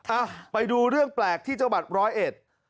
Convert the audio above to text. อ่ะไปดุเรื่องแปลกที่เจ้าบาทร้อยเอช